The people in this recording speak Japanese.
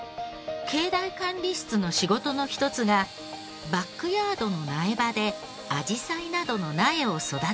境内管理室の仕事の一つがバックヤードの苗場であじさいなどの苗を育てる作業。